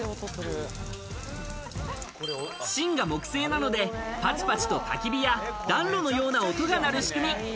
芯が木製なのでパチパチとたき火や暖炉のような音が鳴る仕組み。